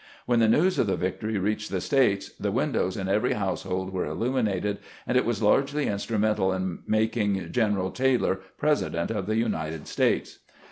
When the news of the victory reached the States, the windows in every household were illuminated, and it was largely instrumental in making General Taylor President of the United States.